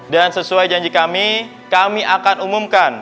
dan sesuai janji kami kami akan umumkan